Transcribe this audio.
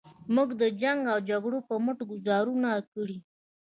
موږ د جنګ و جګړو په مټ ګوزارونه کړي.